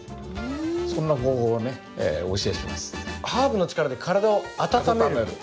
ハーブの力で体を温める？